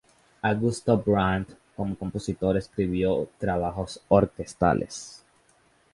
Augusto Brandt como compositor escribió trabajos orquestales.